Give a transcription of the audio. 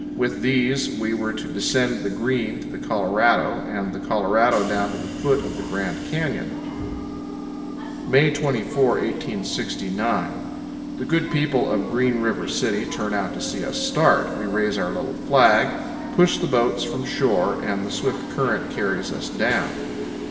With these we were to descend the Green to the Colorado, and the Colorado down to the foot of the Grand Canyon. May 24, 1869. The good people of Green River City turn out to see us start. We raise our little flag, push the boats from shore, and the swift current carries us down.